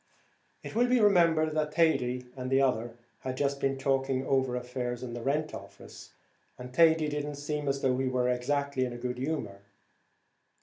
It will be remembered that Thady and the other had just been talking over affairs in the rent office, and Thady did not seem as though he were exactly in a good humour.